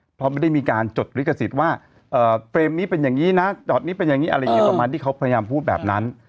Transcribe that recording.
เพราะไม่ได้มีการจดลิขสิทธิ์ว่าเฟรมนี้เป็นอย่างนี้นะจอดนี้เป็นอย่างนี้อะไรอย่างนี้ประมาณที่เขาพยายามพูดแบบนั้น